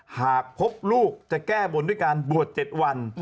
หากพบลูกจะแก้บนด้วยการบวช๗วัน